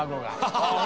ハハハ